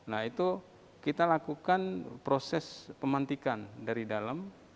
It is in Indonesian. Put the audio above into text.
nah itu kita lakukan proses pemantikan dari dalam